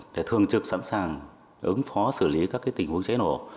để thường trực sẵn sàng ứng phó xử lý các tình huống cháy nổ